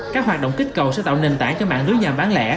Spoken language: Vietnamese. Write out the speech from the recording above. các hoạt động kích cầu sẽ tạo nền tảng cho mạng lưới nhà bán lẻ